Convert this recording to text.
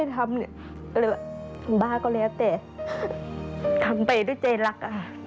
ช่วยเจ๊หลัก